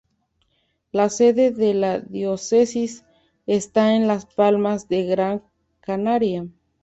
La sede de la diócesis está en Las Palmas de Gran Canaria.